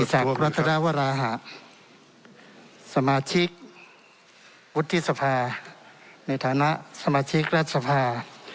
อิติศักดิ์รัฐราวราหะสมาชิกวุฒิสภาในฐานะสมาชิกรัฐสภา